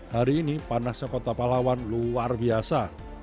hari ini panasnya kota palawan luar biasa